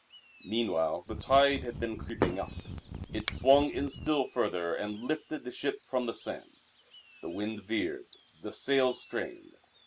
Meanwhile the tide had been creeping up; it swung in still further and lifted the ship from the sand; the wind veered, the sails strained.